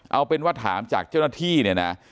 เอาเป็นว่าถามจากเจ้าหน้าที่เนี่ยนะ